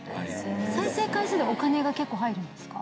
再生回数でお金が結構入るんですか？